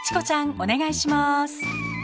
お願いします。